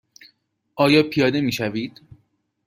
آیا پیاده می شوید؟